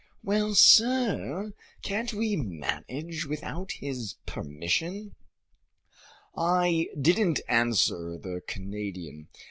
"Well, sir, can't we manage without his permission?" I didn't answer the Canadian.